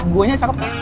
guanya cakep gak